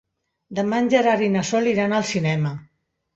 Demà en Gerard i na Sol iran al cinema.